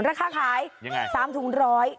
ราคาขาย๓ถุง๑๐๐